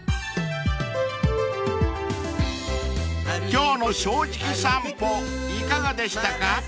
［今日の『正直さんぽ』いかがでしたか？］